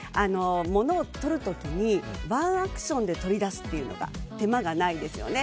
物を取る時にワンアクションで取り出すというのが手間がないですよね。